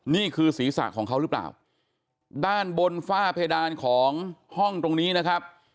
นี่คือศีรษะของเขาหรือเปล่าด้านบนฝ้าเพดานของห้องตรงนี้นะครับ